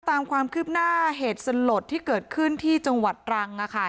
ตามความคืบหน้าเหตุสลดที่เกิดขึ้นที่จังหวัดตรังนะคะ